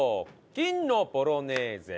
金のボロネーゼ